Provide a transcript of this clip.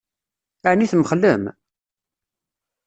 Ɛni temxellem?